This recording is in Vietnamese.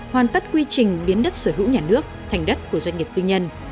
hoàn tất quy trình biến đất sở hữu nhà nước thành đất của doanh nghiệp tư nhân